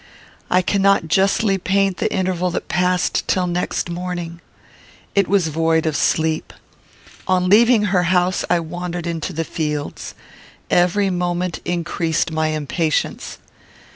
I cannot justly paint the interval that passed till next morning. It was void of sleep. On leaving her house, I wandered into the fields. Every moment increased my impatience.